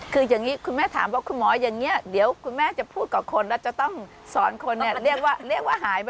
คืออย่างนี้คุณแม่ถามว่าคุณหมอยังเนี่ยเดี๋ยวคุณแม่จะพูดกับคนแล้วจะต้องสอนคนเนี่ย